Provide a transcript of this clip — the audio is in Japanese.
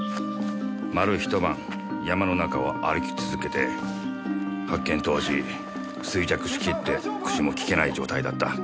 丸ひと晩山の中を歩き続けて発見当時衰弱しきって口もきけない状態だった。